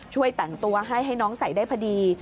ช่วยแต่งตัวให้ให้น้องใส่ได้พอดี